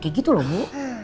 kayak gitu loh bu